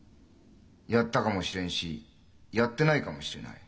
やったかもしれんしやってないかもしれない。